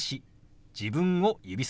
自分を指さします。